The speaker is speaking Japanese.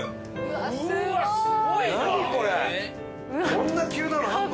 こんな急なのあるの？